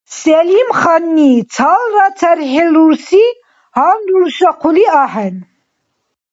Селимханни цалра цархӀил рурси гьанруршахъули ахӀен.